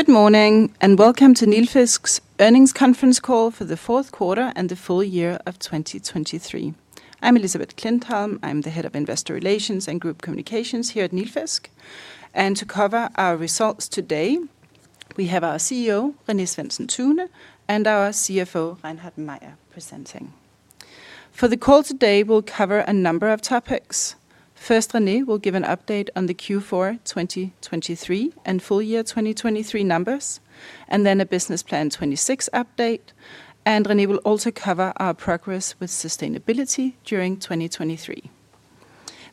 Good morning, and welcome to Nilfisk's Earnings Conference Call for the Fourth Quarter and the Full Year of 2023. I'm Elisabeth Klintholm, I'm the Head of Investor Relations and Group Communications here at Nilfisk. And to cover our results today, we have our CEO René Svendsen-Tune and our CFO Reinhard Mayer presenting. For the call today, we'll cover a number of topics. First, René will give an update on the Q4 2023 and full year 2023 numbers, and then a Business Plan 2026 update. And René will also cover our progress with sustainability during 2023.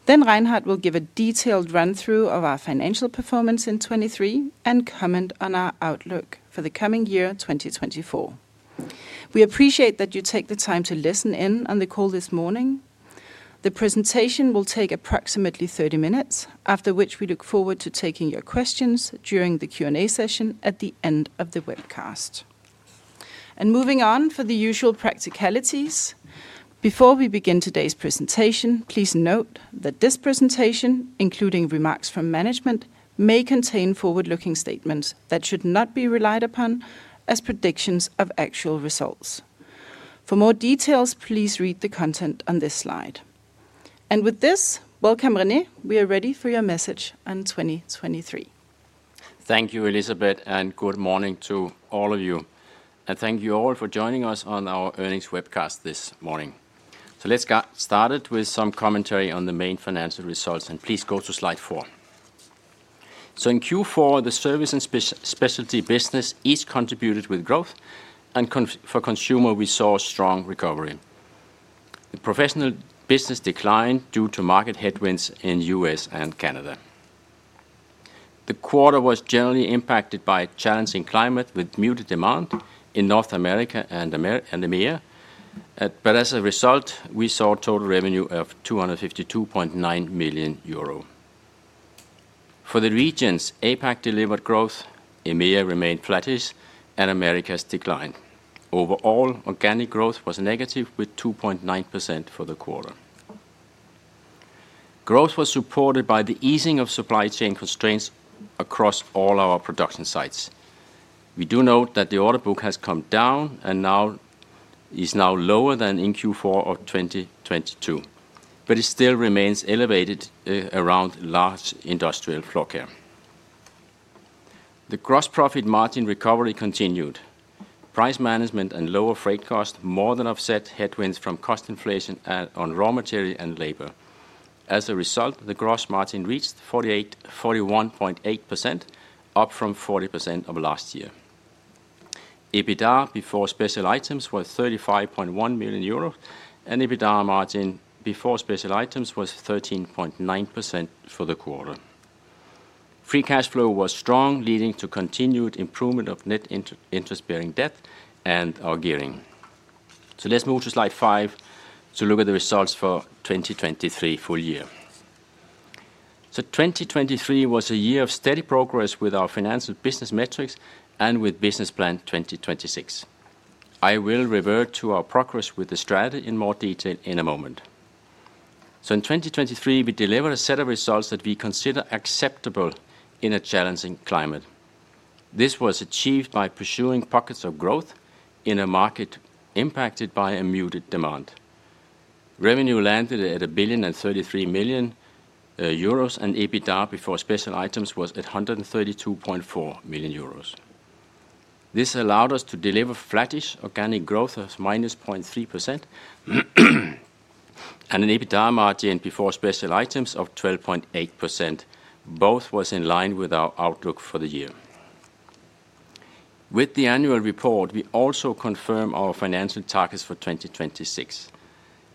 Then Reinhard will give a detailed run-through of our financial performance in 2023 and comment on our outlook for the coming year 2024. We appreciate that you take the time to listen in on the call this morning. The presentation will take approximately 30 minutes, after which we look forward to taking your questions during the Q&A session at the end of the webcast. Moving on for the usual practicalities: Before we begin today's presentation, please note that this presentation, including remarks from management, may contain forward-looking statements that should not be relied upon as predictions of actual results. For more details, please read the content on this slide. With this, welcome René, we are ready for your message on 2023. Thank you, Elisabeth, and good morning to all of you. Thank you all for joining us on our earnings webcast this morning. Let's get started with some commentary on the main financial results, and please go to slide four. In Q4, the service and specialty business each contributed with growth, and for consumer we saw strong recovery. The professional business declined due to market headwinds in the U.S. and Canada. The quarter was generally impacted by a challenging climate with muted demand in North America and EMEA, but as a result we saw a total revenue of 252.9 million euro. For the regions, APAC delivered growth, EMEA remained flattish, and Americas declined. Overall, organic growth was negative with -2.9% for the quarter. Growth was supported by the easing of supply chain constraints across all our production sites. We do note that the order book has come down and now is lower than in Q4 of 2022, but it still remains elevated around large industrial floorcare. The gross profit margin recovery continued. Price management and lower freight costs more than offset headwinds from cost inflation on raw materials and labor. As a result, the gross margin reached 41.8%, up from 40% of last year. EBITDA before special items was 35.1 million euros, and EBITDA margin before special items was 13.9% for the quarter. Free cash flow was strong, leading to continued improvement of net interest-bearing debt and our gearing. So let's move to slide five to look at the results for 2023 full year. So 2023 was a year of steady progress with our financial business metrics and with Business Plan 2026. I will revert to our progress with the strategy in more detail in a moment. So in 2023, we delivered a set of results that we consider acceptable in a challenging climate. This was achieved by pursuing pockets of growth in a market impacted by a muted demand. Revenue landed at 1,033 million euros, and EBITDA before special items was at 132.4 million euros. This allowed us to deliver flattish organic growth of -0.3% and an EBITDA margin before special items of 12.8%, both in line with our outlook for the year. With the annual report, we also confirm our financial targets for 2026.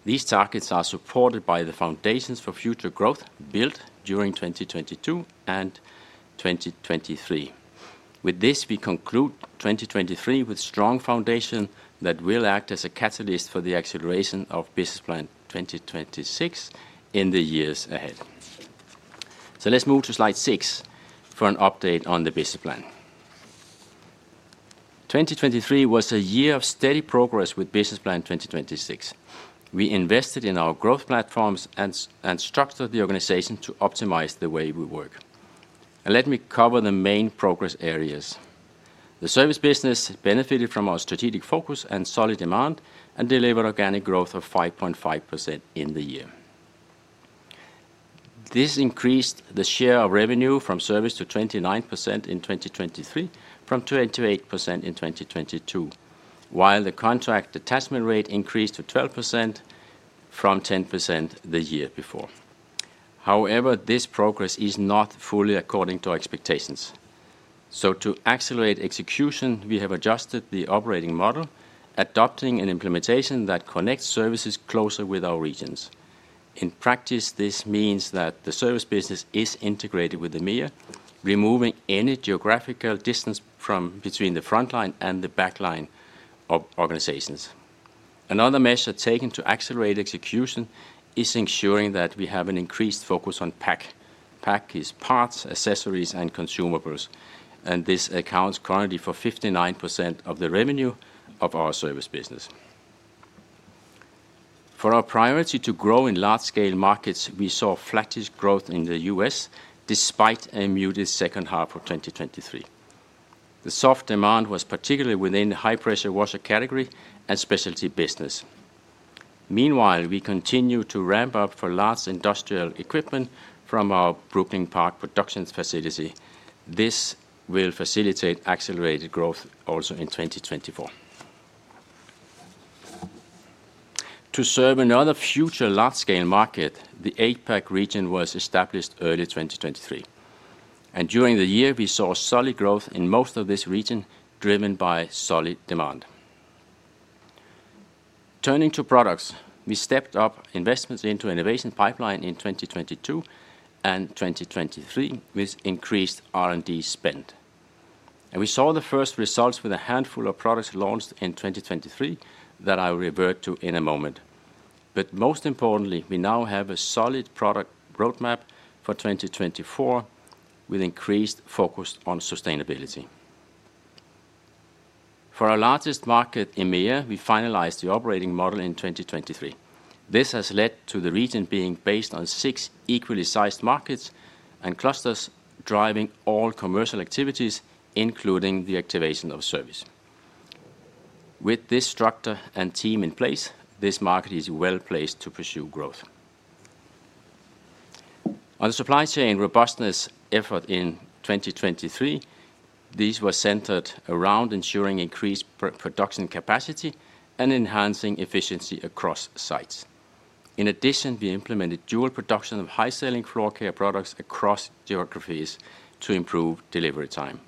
These targets are supported by the foundations for future growth built during 2022 and 2023. With this, we conclude 2023 with strong foundations that will act as a catalyst for the acceleration of Business Plan 2026 in the years ahead. So let's move to slide six for an update on the Business Plan. 2023 was a year of steady progress with Business Plan 2026. We invested in our growth platforms and structured the organization to optimize the way we work. Let me cover the main progress areas. The service business benefited from our strategic focus and solid demand and delivered organic growth of 5.5% in the year. This increased the share of revenue from service to 29% in 2023 from 28% in 2022, while the contract detachment rate increased to 12% from 10% the year before. However, this progress is not fully according to expectations. To accelerate execution, we have adjusted the operating model, adopting an implementation that connects services closer with our regions. In practice, this means that the service business is integrated with EMEA, removing any geographical distance between the frontline and the backline of organizations. Another measure taken to accelerate execution is ensuring that we have an increased focus on PAC. PAC is Parts, Accessories, and Consumables. This accounts currently for 59% of the revenue of our service business. For our priority to grow in large-scale markets, we saw flattish growth in the U.S. despite a muted second half of 2023. The soft demand was particularly within the high-pressure washer category and specialty business. Meanwhile, we continue to ramp up for large industrial equipment from our Brooklyn Park production facility. This will facilitate accelerated growth also in 2024. To serve another future large-scale market, the APAC region was established early 2023. During the year, we saw solid growth in most of this region driven by solid demand. Turning to products, we stepped up investments into innovation pipelines in 2022 and 2023 with increased R&D spend. We saw the first results with a handful of products launched in 2023 that I will revert to in a moment. Most importantly, we now have a solid product roadmap for 2024 with increased focus on sustainability. For our largest market, EMEA, we finalized the operating model in 2023. This has led to the region being based on six equally sized markets and clusters driving all commercial activities, including the activation of service. With this structure and team in place, this market is well placed to pursue growth. On the supply chain robustness effort in 2023, these were centered around ensuring increased production capacity and enhancing efficiency across sites. In addition, we implemented dual production of high-selling floorcare products across geographies to improve delivery time.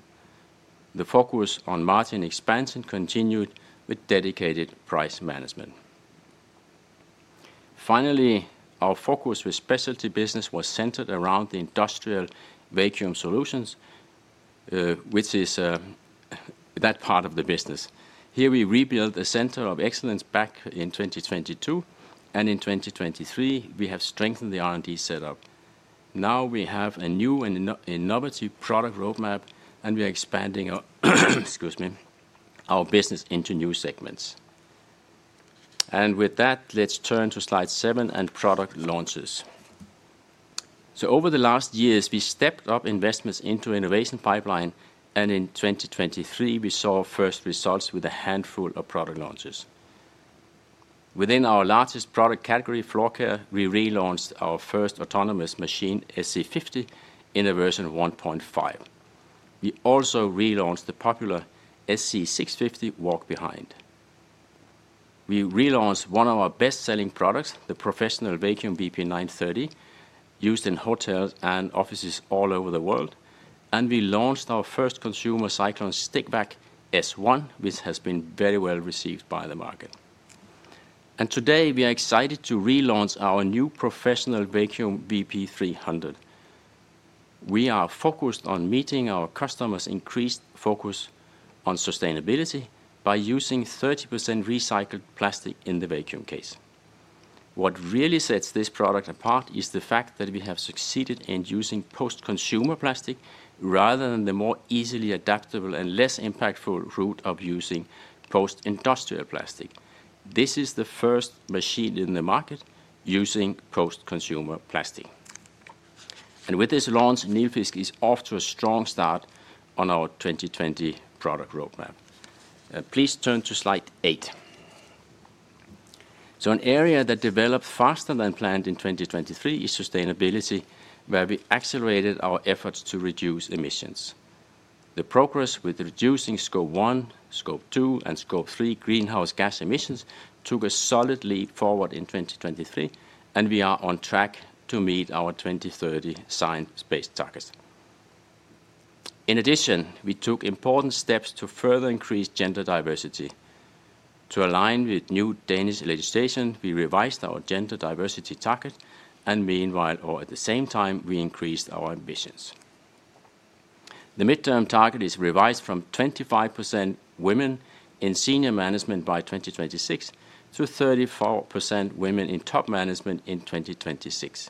The focus on margin expansion continued with dedicated price management. Finally, our focus with specialty business was centered around the industrial vacuum solutions, which is that part of the business. Here, we rebuilt a center of excellence back in 2022. In 2023, we have strengthened the R&D setup. Now we have a new and innovative product roadmap, and we are expanding our business into new segments. With that, let's turn to slide seven and product launches. Over the last years, we stepped up investments into innovation pipelines, and in 2023, we saw first results with a handful of product launches. Within our largest product category, floorcare, we relaunched our first autonomous machine, SC50, in a version 1.5. We also relaunched the popular SC650 Walk Behind. We relaunched one of our best-selling products, the professional vacuum VP930, used in hotels and offices all over the world. We launched our first consumer cyclone stick vacuum S1, which has been very well received by the market. Today, we are excited to relaunch our new professional vacuum VP300. We are focused on meeting our customers' increased focus on sustainability by using 30% recycled plastic in the vacuum case. What really sets this product apart is the fact that we have succeeded in using post-consumer plastic rather than the more easily adaptable and less impactful route of using post-industrial plastic. This is the first machine in the market using post-consumer plastic. With this launch, Nilfisk is off to a strong start on our 2020 product roadmap. Please turn to slide eight. An area that developed faster than planned in 2023 is sustainability, where we accelerated our efforts to reduce emissions. The progress with reducing Scope 1, Scope 2, and Scope 3 greenhouse gas emissions took a solid leap forward in 2023, and we are on track to meet our 2030 science-based targets. In addition, we took important steps to further increase gender diversity. To align with new Danish legislation, we revised our gender diversity target, and meanwhile, or at the same time, we increased our ambitions. The midterm target is revised from 25% women in senior management by 2026 to 34% women in top management in 2026.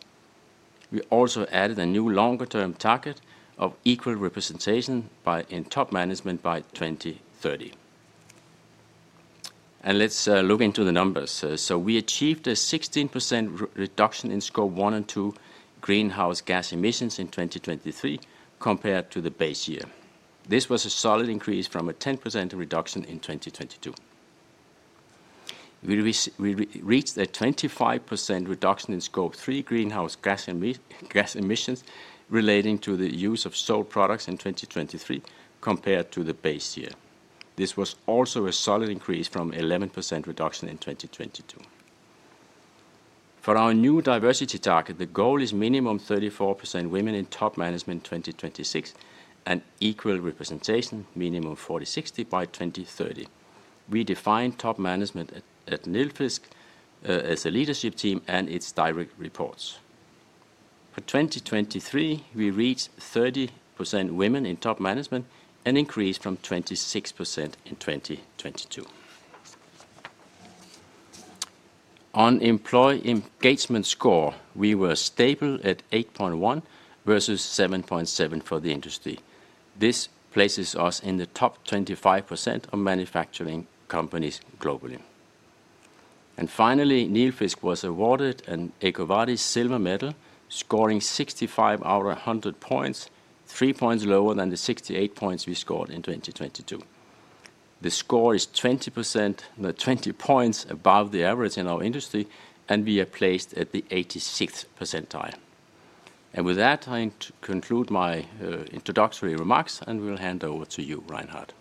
We also added a new longer-term target of equal representation in top management by 2030. Let's look into the numbers. We achieved a 16% reduction in Scope 1 and 2 greenhouse gas emissions in 2023 compared to the base year. This was a solid increase from a 10% reduction in 2022. We reached a 25% reduction in Scope 3 greenhouse gas emissions relating to the use of sold products in 2023 compared to the base year. This was also a solid increase from an 11% reduction in 2022. For our new diversity target, the goal is minimum 34% women in top management in 2026 and equal representation, minimum 40/60, by 2030. We define top management at Nilfisk as a leadership team and its direct reports. For 2023, we reached 30% women in top management, an increase from 26% in 2022. On employee engagement score, we were stable at 8.1 versus 7.7 for the industry. This places us in the top 25% of manufacturing companies globally. Finally, Nilfisk was awarded an EcoVadis Silver Medal, scoring 65 out of 100 points, 3 points lower than the 68 points we scored in 2022. The score is 20%, 20 points above the average in our industry, and we are placed at the 86th percentile. With that, I conclude my introductory remarks, and we will hand over to you, Reinhard.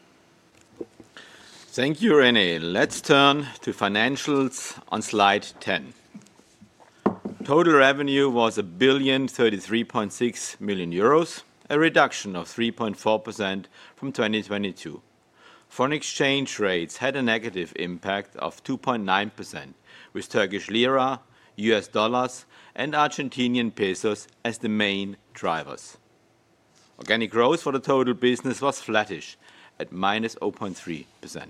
Thank you, René. Let's turn to financials on slide 10. Total revenue was 1,033.6 million euros, a reduction of 3.4% from 2022. Foreign exchange rates had a negative impact of 2.9%, with Turkish lira, U.S. dollars, and Argentinian pesos as the main drivers. Organic growth for the total business was flattish, at -0.3%.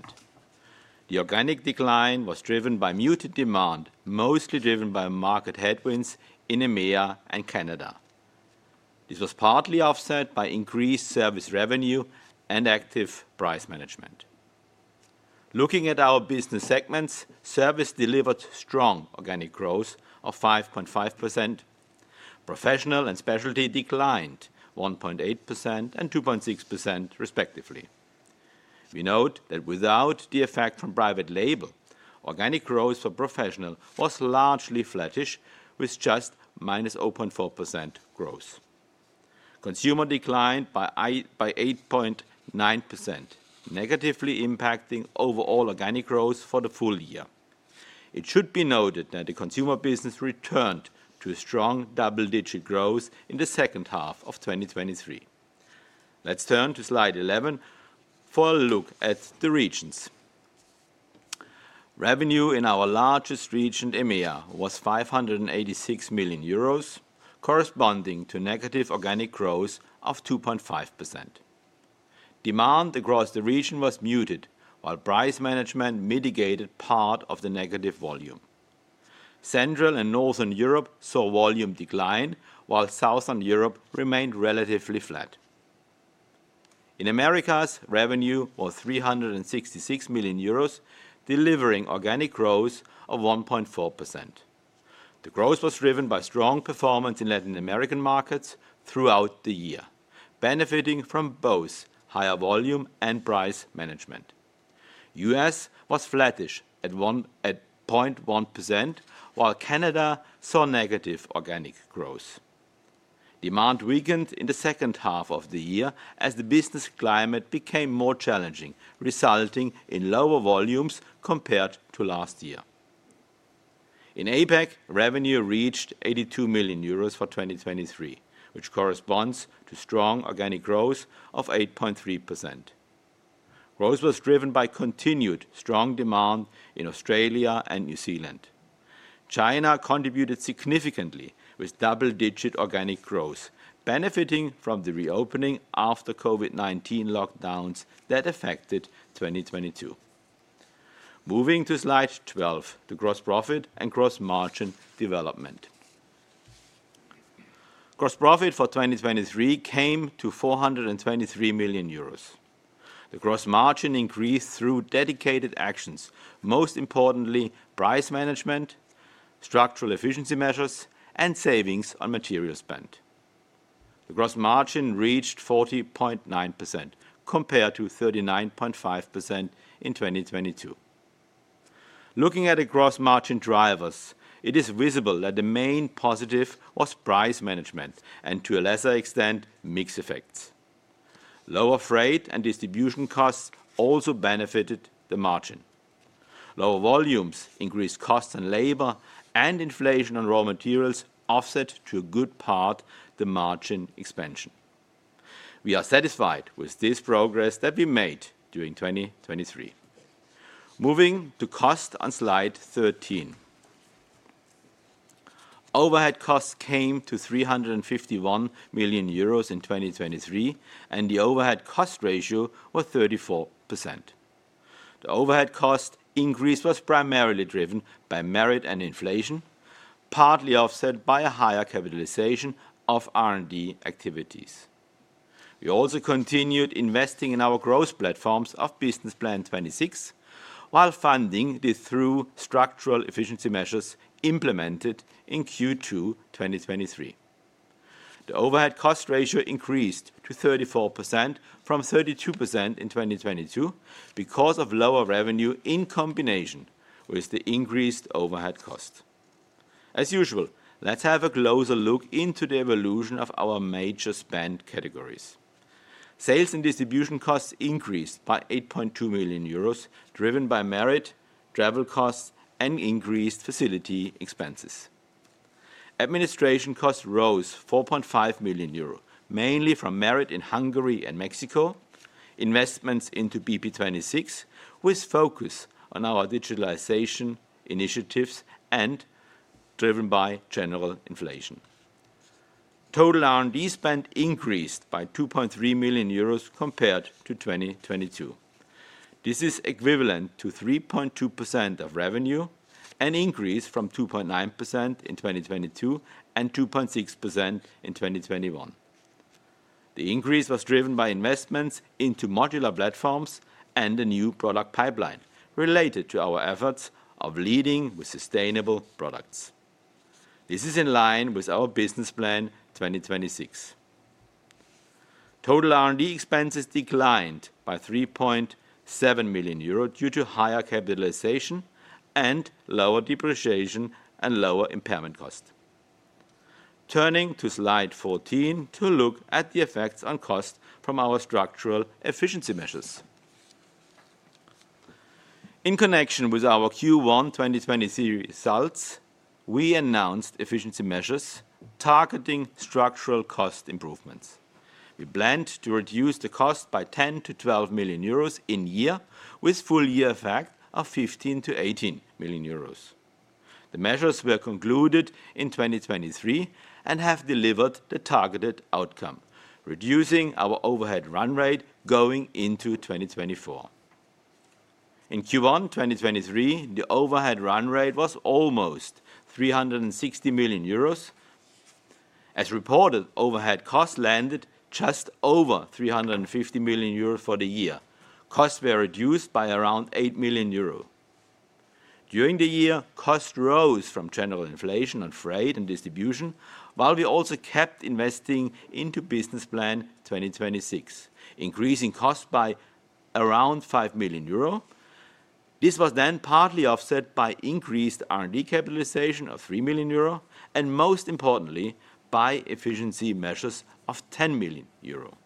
The organic decline was driven by muted demand, mostly driven by market headwinds in EMEA and Canada. This was partly offset by increased service revenue and active price management. Looking at our business segments, service delivered strong organic growth of 5.5%. Professional and specialty declined 1.8% and 2.6%, respectively. We note that without the effect from private label, organic growth for professional was largely flattish, with just -0.4% growth. Consumer declined by 8.9%, negatively impacting overall organic growth for the full year. It should be noted that the consumer business returned to strong double-digit growth in the second half of 2023. Let's turn to slide 11 for a look at the regions. Revenue in our largest region, EMEA, was 586 million euros, corresponding to -2.5% organic growth. Demand across the region was muted, while price management mitigated part of the negative volume. Central and Northern Europe saw volume decline, while Southern Europe remained relatively flat. In America, revenue was 366 million euros, delivering 1.4% organic growth. The growth was driven by strong performance in Latin American markets throughout the year, benefiting from both higher volume and price management. The U.S. was flattish at 0.1%, while Canada saw negative organic growth. Demand weakened in the second half of the year as the business climate became more challenging, resulting in lower volumes compared to last year. In APAC, revenue reached 82 million euros for 2023, which corresponds to strong organic growth of 8.3%. Growth was driven by continued strong demand in Australia and New Zealand. China contributed significantly with double-digit organic growth, benefiting from the reopening after COVID-19 lockdowns that affected 2022. Moving to slide 12, the gross profit and gross margin development. Gross profit for 2023 came to 423 million euros. The gross margin increased through dedicated actions, most importantly, price management, structural efficiency measures, and savings on material spend. The gross margin reached 40.9% compared to 39.5% in 2022. Looking at the gross margin drivers, it is visible that the main positive was price management and, to a lesser extent, mixed effects. Lower freight and distribution costs also benefited the margin. Lower volumes increased costs and labor, and inflation on raw materials offset to a good part the margin expansion. We are satisfied with this progress that we made during 2023. Moving to costs on slide 13. Overhead costs came to 351 million euros in 2023, and the overhead cost ratio was 34%. The overhead cost increase was primarily driven by merit and inflation, partly offset by a higher capitalization of R&D activities. We also continued investing in our growth platforms of Business Plan 26 while funding them through structural efficiency measures implemented in Q2 2023. The overhead cost ratio increased to 34% from 32% in 2022 because of lower revenue in combination with the increased overhead cost. As usual, let's have a closer look into the evolution of our major spend categories. Sales and distribution costs increased by 8.2 million euros, driven by merit, travel costs, and increased facility expenses. Administration costs rose 4.5 million euro, mainly from merit in Hungary and Mexico, investments into BP26 with focus on our digitalization initiatives, and driven by general inflation. Total R&D spend increased by 2.3 million euros compared to 2022. This is equivalent to 3.2% of revenue, an increase from 2.9% in 2022 and 2.6% in 2021. The increase was driven by investments into modular platforms and a new product pipeline related to our efforts of leading with sustainable products. This is in line with our Business Plan 2026. Total R&D expenses declined by 3.7 million euro due to higher capitalization and lower depreciation and lower impairment costs. Turning to slide 14 to look at the effects on costs from our structural efficiency measures. In connection with our Q1 2020 series results, we announced efficiency measures targeting structural cost improvements. We planned to reduce the cost by 10 million-12 million euros in year, with full-year effect of 15 million-18 million euros. The measures were concluded in 2023 and have delivered the targeted outcome, reducing our overhead run rate going into 2024. In Q1 2023, the overhead run rate was almost 360 million euros. As reported, overhead costs landed just over 350 million euros for the year. Costs were reduced by around 8 million euros. During the year, costs rose from general inflation on freight and distribution, while we also kept investing into Business Plan 2026, increasing costs by around 5 million euro. This was then partly offset by increased R&D capitalization of 3 million euro, and most importantly, by efficiency measures of 10 million euro.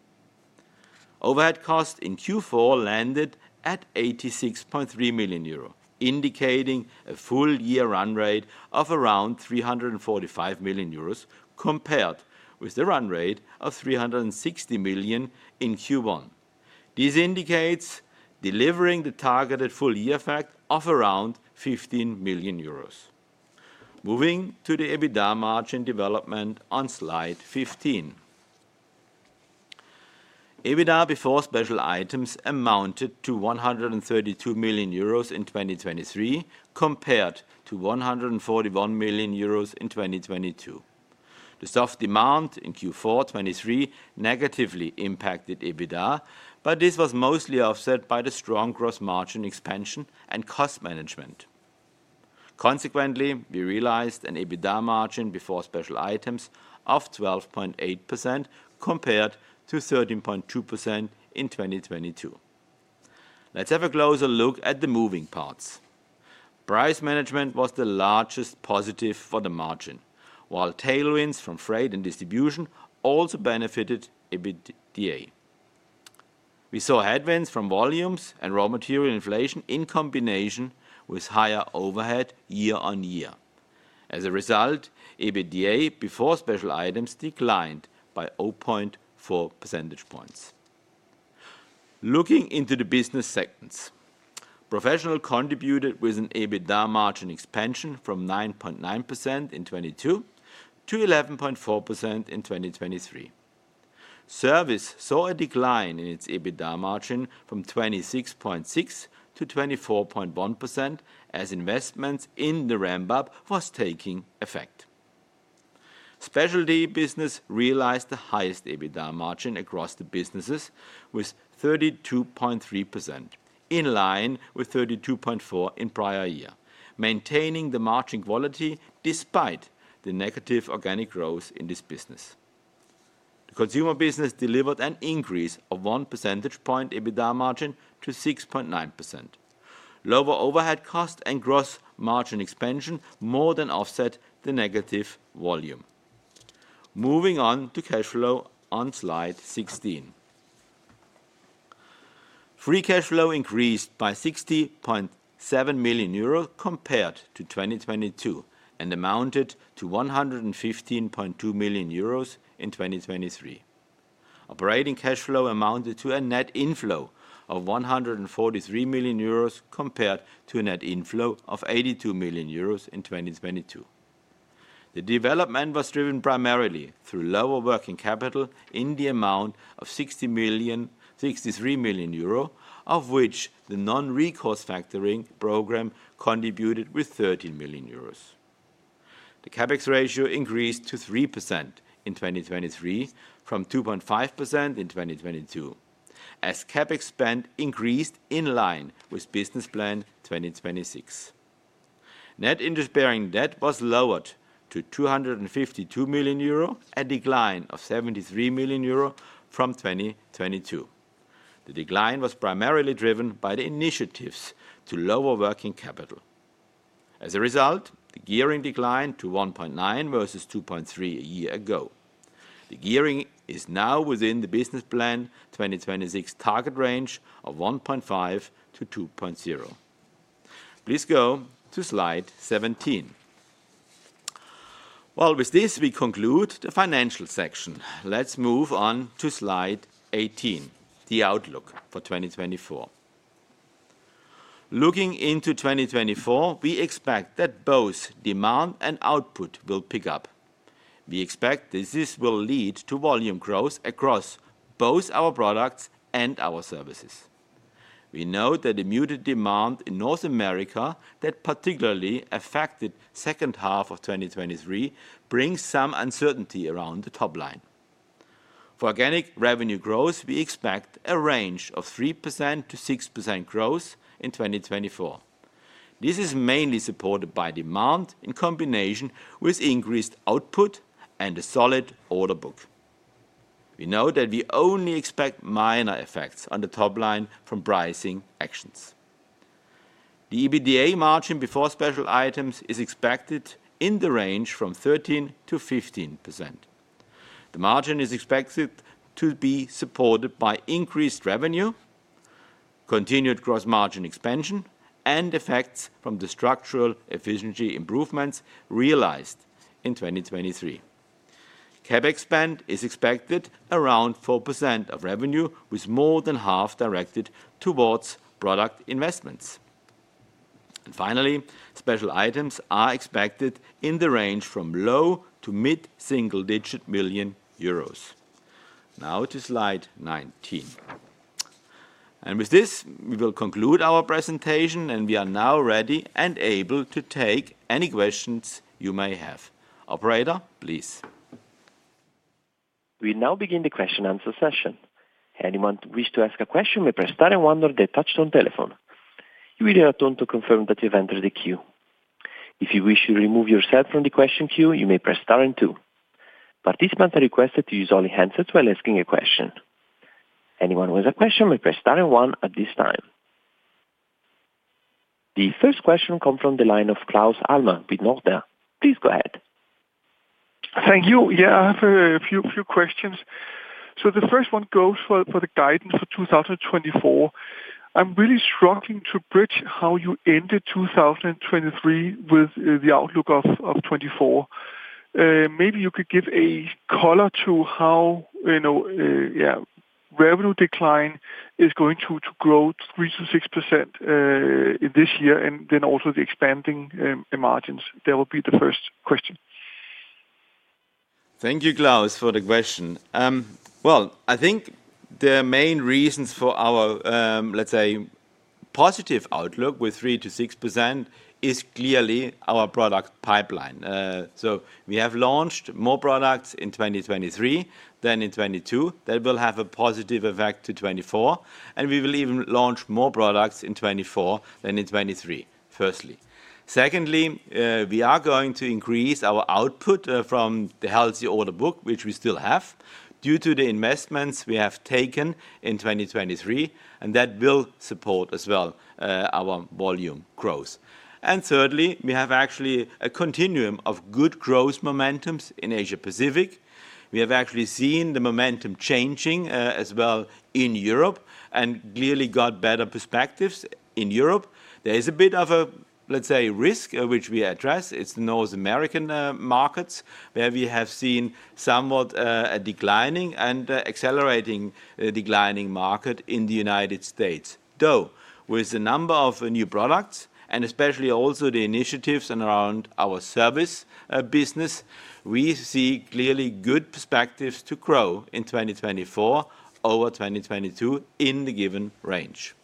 Overhead costs in Q4 landed at 86.3 million euro, indicating a full-year run rate of around 345 million euros compared with the run rate of 360 million in Q1. This indicates delivering the targeted full-year effect of around 15 million euros. Moving to the EBITDA margin development on slide 15. EBITDA before special items amounted to 132 million euros in 2023 compared to 141 million euros in 2022. The soft demand in Q4 2023 negatively impacted EBITDA, but this was mostly offset by the strong gross margin expansion and cost management. Consequently, we realized an EBITDA margin before special items of 12.8% compared to 13.2% in 2022. Let's have a closer look at the moving parts. Price management was the largest positive for the margin, while tailwinds from freight and distribution also benefited EBITDA. We saw headwinds from volumes and raw material inflation in combination with higher overhead year-on-year. As a result, EBITDA before special items declined by 0.4 percentage points. Looking into the business segments, professional contributed with an EBITDA margin expansion from 9.9% in 2022 to 11.4% in 2023. Service saw a decline in its EBITDA margin from 26.6% to 24.1% as investments in the ramp-up were taking effect. Specialty business realized the highest EBITDA margin across the businesses, with 32.3%, in line with 32.4% in prior year, maintaining the margin quality despite the negative organic growth in this business. The consumer business delivered an increase of 1 percentage point EBITDA margin to 6.9%. Lower overhead costs and gross margin expansion more than offset the negative volume. Moving on to cash flow on slide 16. Free cash flow increased by 60.7 million euros compared to 2022 and amounted to 115.2 million euros in 2023. Operating cash flow amounted to a net inflow of 143 million euros compared to a net inflow of 82 million euros in 2022. The development was driven primarily through lower working capital in the amount of 63 million euro, of which the non-recourse factoring program contributed with 13 million euros. The CapEx ratio increased to 3% in 2023 from 2.5% in 2022, as CapEx spend increased in line with Business Plan 2026. Net interest-bearing debt was lowered to 252 million euro, a decline of 73 million euro from 2022. The decline was primarily driven by the initiatives to lower working capital. As a result, the gearing declined to 1.9x versus 2.3x a year ago. The gearing is now within the Business Plan 2026 target range of 1.5%-2.0%. Please go to slide 17. Well, with this, we conclude the financial section. Let's move on to slide 18, the outlook for 2024. Looking into 2024, we expect that both demand and output will pick up. We expect this will lead to volume growth across both our products and our services. We know that the muted demand in North America that particularly affected the second half of 2023 brings some uncertainty around the top line. For organic revenue growth, we expect a range of 3%-6% growth in 2024. This is mainly supported by demand in combination with increased output and a solid order book. We know that we only expect minor effects on the top line from pricing actions. The EBITDA margin before special items is expected in the range from 13%-15%. The margin is expected to be supported by increased revenue, continued gross margin expansion, and effects from the structural efficiency improvements realized in 2023. CapEx spend is expected around 4% of revenue, with more than half directed towards product investments. Finally, special items are expected in the range from low- to mid-single-digit million EUR. Now to slide 19. With this, we will conclude our presentation, and we are now ready and able to take any questions you may have. Operator, please. We now begin the question-and-answer session. Anyone who wishes to ask a question may press star and one on their touch-tone telephone. You will be returned to confirm that you have entered the queue. If you wish to remove yourself from the question queue, you may press star and two. Participants are requested to use only handsets while asking a question. Anyone who has a question may press star and one at this time. The first question comes from the line of Claus Almer with Nordea. Please go ahead. Thank you. Yeah, I have a few questions. So the first one goes for the guidance for 2024. I'm really struggling to bridge how you ended 2023 with the outlook of 2024. Maybe you could give a color to how, you know, yeah, revenue decline is going to grow 3%-6% in this year and then also the expanding margins. That would be the first question. Thank you, Claus, for the question. Well, I think the main reasons for our, let's say, positive outlook with 3%-6% is clearly our product pipeline. So we have launched more products in 2023 than in 2022 that will have a positive effect to 2024, and we will even launch more products in 2024 than in 2023, firstly. Secondly, we are going to increase our output from the healthy order book, which we still have, due to the investments we have taken in 2023, and that will support as well our volume growth. And thirdly, we have actually a continuum of good growth momentums in Asia-Pacific. We have actually seen the momentum changing as well in Europe and clearly got better perspectives in Europe. There is a bit of a, let's say, risk which we address. It's the North American markets where we have seen somewhat a declining and accelerating declining market in the United States. Though, with the number of new products and especially also the initiatives and around our service business, we see clearly good perspectives to grow in 2024 over 2022 in the given range.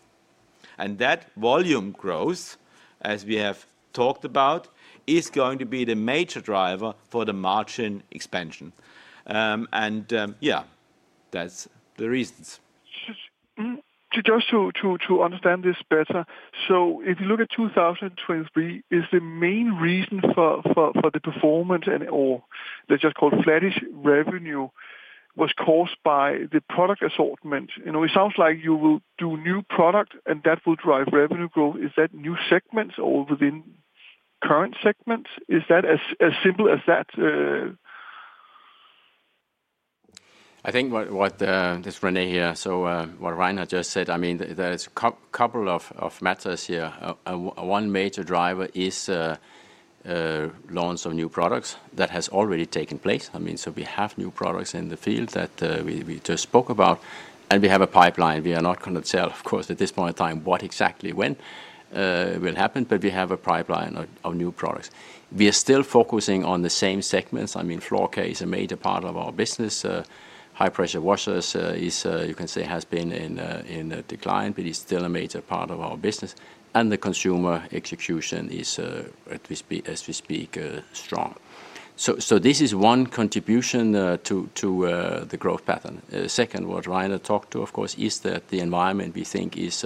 And that volume growth, as we have talked about, is going to be the major driver for the margin expansion. And yeah, that's the reasons. Just to understand this better, so if you look at 2023, is the main reason for the performance and/or, let's just call it, flattish revenue was caused by the product assortment? You know, it sounds like you will do new product, and that will drive revenue growth. Is that new segments or within current segments? Is that as simple as that? I think what, this René here, so what Reinhard just said, I mean, there's a couple of matters here. One major driver is launch of new products that has already taken place. I mean, so we have new products in the field that we just spoke about, and we have a pipeline. We are not going to tell, of course, at this point in time what exactly when will happen, but we have a pipeline of new products. We are still focusing on the same segments. I mean, floor care is a major part of our business. High-pressure washers is, you can say, has been in decline, but it's still a major part of our business. And the consumer execution is, as we speak, strong. So this is one contribution to the growth pattern. Second, what Reinhard talked to, of course, is that the environment we think is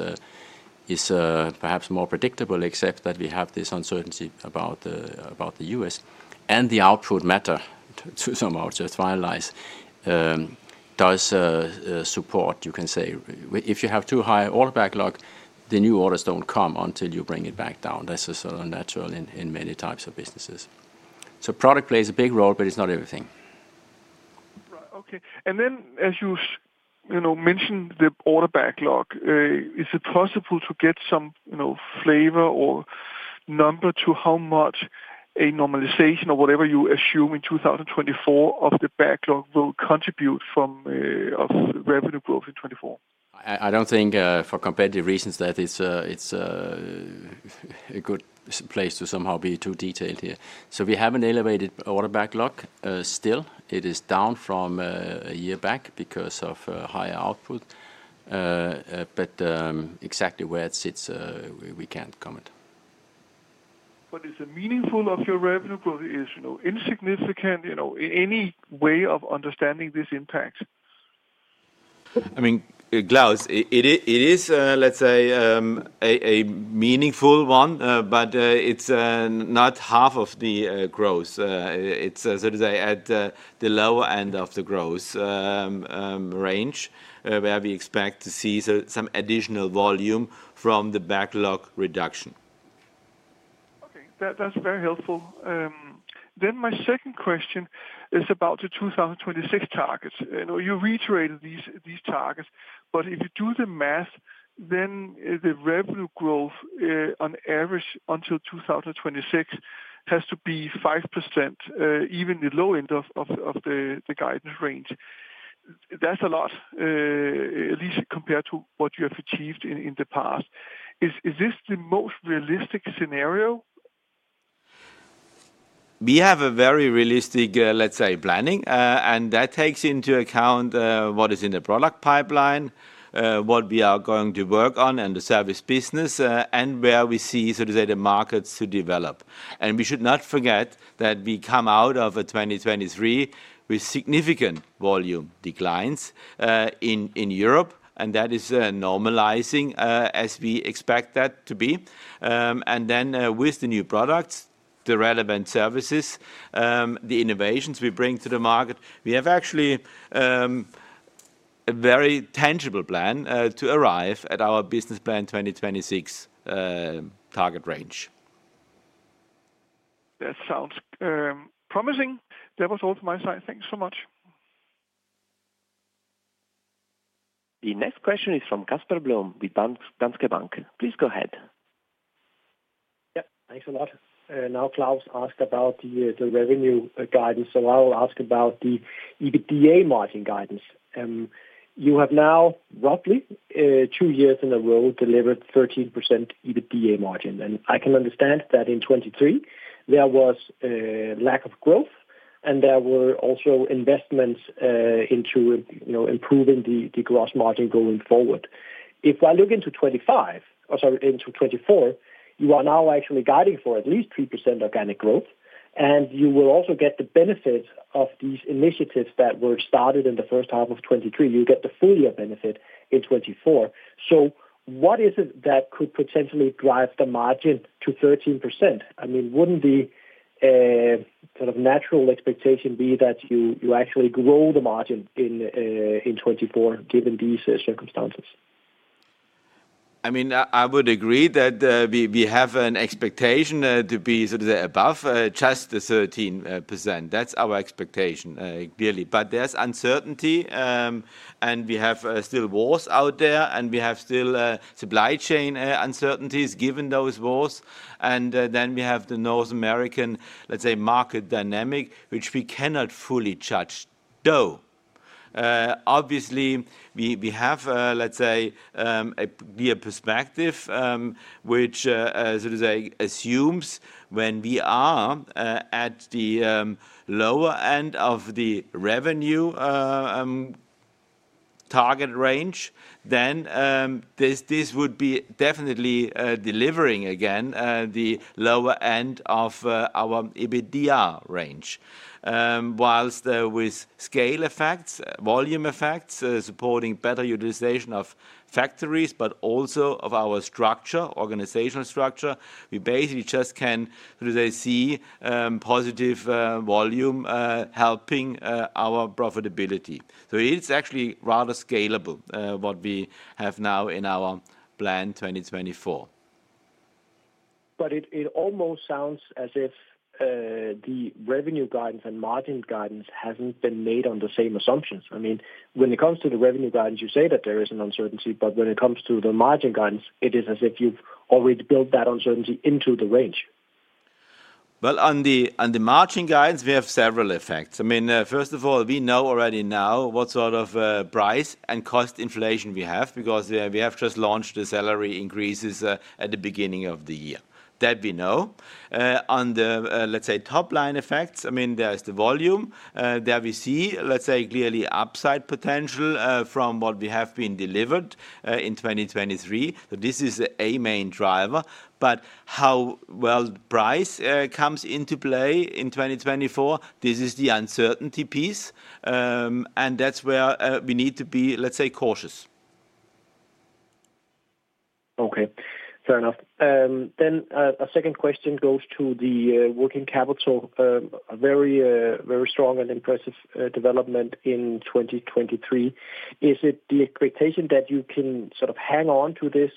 perhaps more predictable, except that we have this uncertainty about the U.S. The output matters to somehow just finalize does support, you can say, if you have too high order backlog, the new orders don't come until you bring it back down. That's just so unnatural in many types of businesses. So product plays a big role, but it's not everything. Right. Okay. And then, as you mentioned the order backlog, is it possible to get some flavor or number to how much a normalization or whatever you assume in 2024 of the backlog will contribute from revenue growth in 2024? I don't think, for competitive reasons, that it's a good place to somehow be too detailed here. So we have an elevated order backlog still. It is down from a year back because of higher output. But exactly where it sits, we can't comment. But is the meaningfulness of your revenue growth insignificant in any way of understanding this impact? I mean, Claus, it is, let's say, a meaningful one, but it's not half of the growth. It's, so to say, at the lower end of the growth range where we expect to see some additional volume from the backlog reduction. Okay. That's very helpful. Then my second question is about the 2026 targets. You reiterated these targets, but if you do the math, then the revenue growth on average until 2026 has to be 5%, even the low end of the guidance range. That's a lot, at least compared to what you have achieved in the past. Is this the most realistic scenario? We have a very realistic, let's say, planning, and that takes into account what is in the product pipeline, what we are going to work on in the service business, and where we see, so to say, the markets to develop. And we should not forget that we come out of 2023 with significant volume declines in Europe, and that is normalizing as we expect that to be. And then with the new products, the relevant services, the innovations we bring to the market, we have actually a very tangible plan to arrive at our Business Plan 2026 target range. That sounds promising. That was all from my side. Thanks so much. The next question is from Casper Blom with Danske Bank. Please go ahead. Yeah. Thanks a lot. Now, Claus asked about the revenue guidance, so I will ask about the EBITDA margin guidance. You have now, roughly two years in a row, delivered 13% EBITDA margin. And I can understand that in 2023 there was lack of growth, and there were also investments into improving the gross margin going forward. If I look into 2025 or, sorry, into 2024, you are now actually guiding for at least 3% organic growth, and you will also get the benefits of these initiatives that were started in the first half of 2023. You'll get the full year benefit in 2024. So what is it that could potentially drive the margin to 13%? I mean, wouldn't the sort of natural expectation be that you actually grow the margin in 2024 given these circumstances? I mean, I would agree that we have an expectation to be, so to say, above just the 13%. That's our expectation, clearly. But there's uncertainty, and we have still wars out there, and we have still supply chain uncertainties given those wars. And then we have the North American, let's say, market dynamic, which we cannot fully judge. Though, obviously, we have, let's say, a clear perspective which, so to say, assumes when we are at the lower end of the revenue target range, then this would be definitely delivering, again, the lower end of our EBITDA range. Whilst with scale effects, volume effects supporting better utilization of factories, but also of our structure, organizational structure, we basically just can, so to say, see positive volume helping our profitability. So it's actually rather scalable, what we have now in our plan 2024. But it almost sounds as if the revenue guidance and margin guidance hasn't been made on the same assumptions. I mean, when it comes to the revenue guidance, you say that there is an uncertainty, but when it comes to the margin guidance, it is as if you've already built that uncertainty into the range. Well, on the margin guidance, we have several effects. I mean, first of all, we know already now what sort of price and cost inflation we have because we have just launched the salary increases at the beginning of the year. That we know. On the, let's say, top line effects, I mean, there's the volume. There we see, let's say, clearly upside potential from what we have been delivered in 2023. So this is a main driver. But how well price comes into play in 2024, this is the uncertainty piece. And that's where we need to be, let's say, cautious. Okay. Fair enough. A second question goes to the working capital. A very, very strong and impressive development in 2023. Is it the expectation that you can sort of hang on to this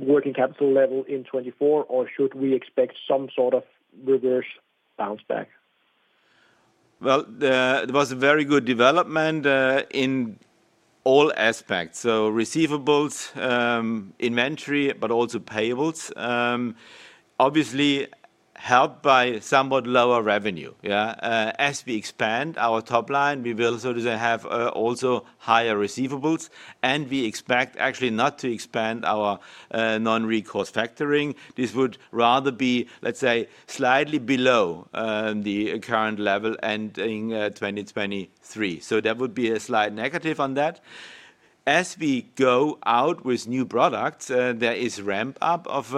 working capital level in 2024, or should we expect some sort of reverse bounce back? Well, there was a very good development in all aspects. So receivables, inventory, but also payables, obviously helped by somewhat lower revenue. Yeah? As we expand our top line, we will, so to say, have also higher receivables, and we expect actually not to expand our non-recourse factoring. This would rather be, let's say, slightly below the current level ending 2023. So there would be a slight negative on that. As we go out with new products, there is ramp-up of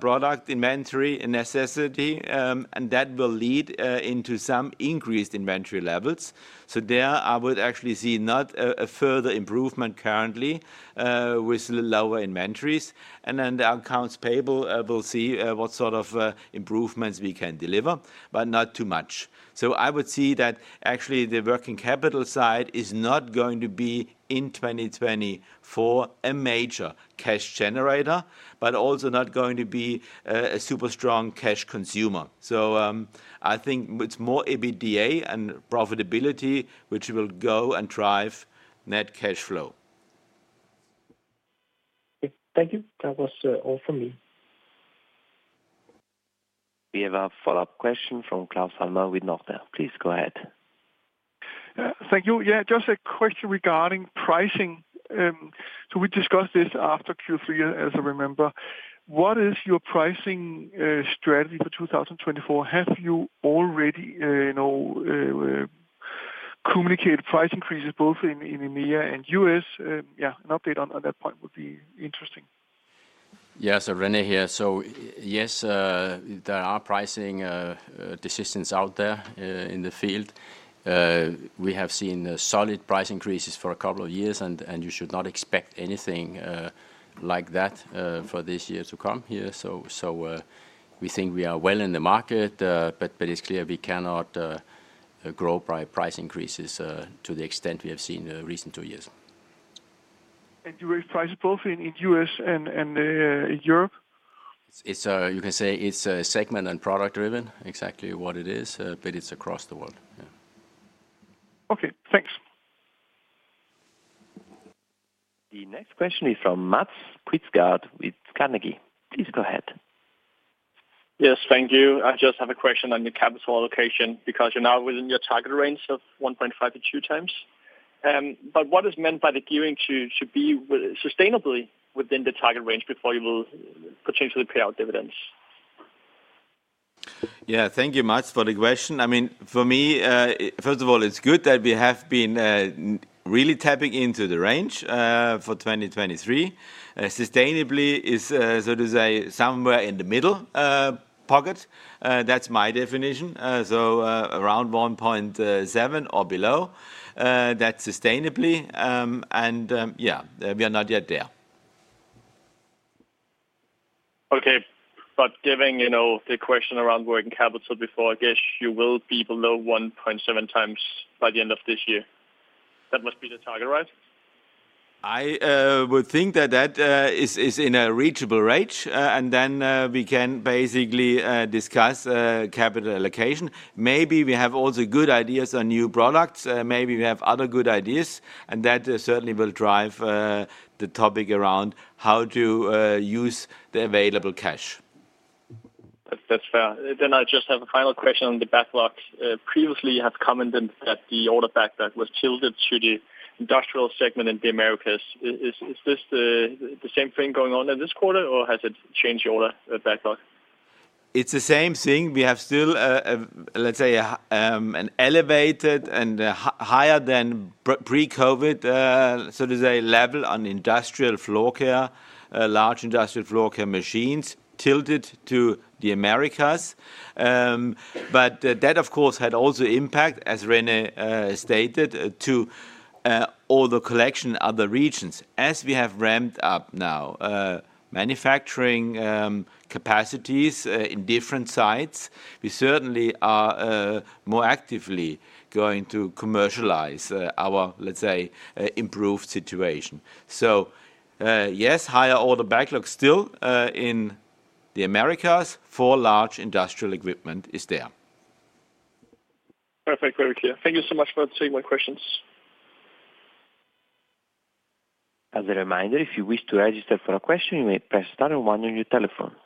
product inventory necessity, and that will lead into some increased inventory levels. So there, I would actually see not a further improvement currently with lower inventories. Then the accounts payable will see what sort of improvements we can deliver, but not too much. So I would see that actually the working capital side is not going to be, in 2024, a major cash generator, but also not going to be a super strong cash consumer. So I think it's more EBITDA and profitability which will go and drive net cash flow. Thank you. That was all from me. We have a follow-up question from Claus Almer with Nordea. Please go ahead. Thank you. Yeah. Just a question regarding pricing. So we discussed this after Q3, as I remember. What is your pricing strategy for 2024? Have you already communicated price increases both in EMEA and U.S.? Yeah. An update on that point would be interesting. Yeah. So René here. So yes, there are pricing decisions out there in the field. We have seen solid price increases for a couple of years, and you should not expect anything like that for this year to come here. So we think we are well in the market, but it's clear we cannot grow by price increases to the extent we have seen in the recent two years. And do you raise prices both in U.S. and Europe? You can say it's segment and product-driven, exactly what it is, but it's across the world. Yeah. Okay. Thanks. The next question is from Mads Quistgaard with Carnegie. Please go ahead. Yes. Thank you. I just have a question on your capital allocation because you're now within your target range of 1.5x-2x. But what is meant by the gearing to be sustainably within the target range before you will potentially pay out dividends? Yeah. Thank you much for the question. I mean, for me, first of all, it's good that we have been really tapping into the range for 2023. Sustainability is, so to say, somewhere in the middle pocket. That's my definition. So around 1.7x or below, that's sustainably. And yeah, we are not yet there. Okay. But given the question around working capital before, I guess you will be below 1.7x by the end of this year. That must be the target, right? I would think that that is in a reachable range, and then we can basically discuss capital allocation. Maybe we have also good ideas on new products. Maybe we have other good ideas. And that certainly will drive the topic around how to use the available cash. That's fair. Then I just have a final question on the backlog. Previously, you have commented that the order backlog was tilted to the industrial segment in the Americas. Is this the same thing going on in this quarter, or has it changed your order backlog? It's the same thing. We have still, let's say, an elevated and higher than pre-COVID, so to say, level on industrial floor care, large industrial floor care machines tilted to the Americas. But that, of course, had also impact, as René stated, to all the other regions. As we have ramped up now manufacturing capacities in different sites, we certainly are more actively going to commercialize our, let's say, improved situation. So yes, higher order backlog still in the Americas for large industrial equipment is there. Perfect. Very clear. Thank you so much for taking my questions. As a reminder, if you wish to register for a question, you may press star and one of your telephones.